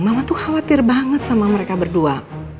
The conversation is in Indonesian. mama tuh khawatir banget sama mereka berdua